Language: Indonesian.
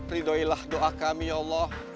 riduailah doa kami ya allah